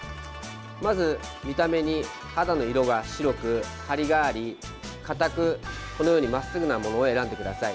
まず見た目に肌の色が白くハリがありかたく、このようにまっすぐなものを選んでください。